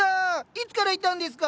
いつからいたんですか？